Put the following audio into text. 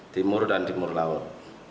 timur dan timur laut